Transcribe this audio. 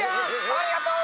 「ありがとう！」。